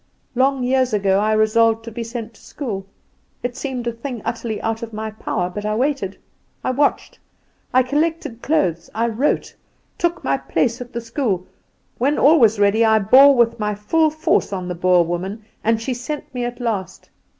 "Long years ago I resolved to be sent to school. It seemed a thing utterly out of my power; but I waited, I watched, I collected clothes, I wrote, took my place at the school; when all was ready I bore with my full force on the Boer woman, and she sent me at last.